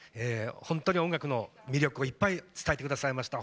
本当に音楽の魅力をいっぱい伝えてくださいました。